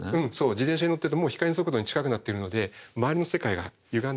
自転車に乗ってるともう光の速度に近くなってるので周りの世界がゆがんでくる。